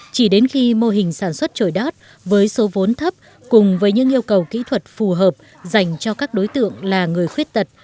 chỉ đến khi mô hình sản xuất trội đót với số vốn thấp cùng với những yêu cầu kỹ thuật phù hợp dành cho các đối tượng là người khuyết tật